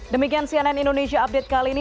demikian cnn indonesia update kali ini